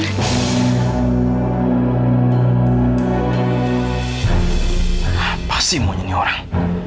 apa sih monyetnya orang